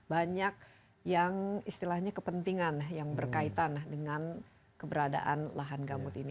banyak yang istilahnya kepentingan yang berkaitan dengan keberadaan lahan gambut ini